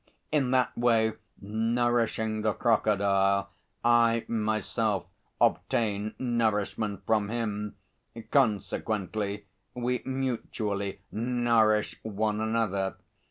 In that way nourishing the crocodile, I myself obtain nourishment from him, consequently we mutually nourish one another.